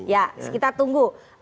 ya kita tunggu